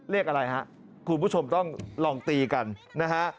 เลขอะไรฮะคุณผู้ชมต้องลองตีกันนะฮะ